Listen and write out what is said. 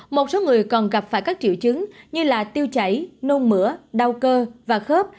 một số người còn gặp phải các triệu chứng như tiêu chảy nôn mửa đau cơ và khớp